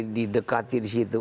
didekati di situ